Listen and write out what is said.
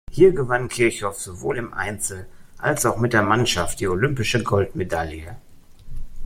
Hier gewann Kirchhoff sowohl im Einzel als auch mit der Mannschaft die olympische Goldmedaille.